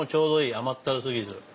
甘ったるすぎず。